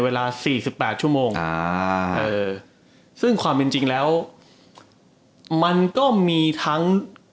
เวลาสี่สิบแปดชั่วโมงอ่าเออซึ่งความเป็นจริงแล้วมันก็มีทั้ง